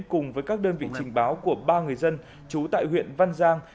cùng với các đơn vị trình báo của ba người dân trú tại huyện văn giang